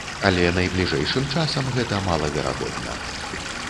Але найбліжэйшым часам гэта малаверагодна.